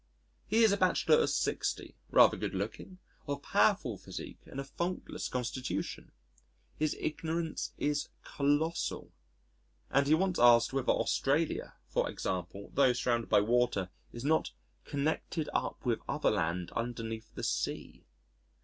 He is a bachelor of sixty, rather good looking, of powerful physique and a faultless constitution.... His ignorance is colossal and he once asked whether Australia, for example, tho' surrounded by water, is not connected up with other land underneath the sea.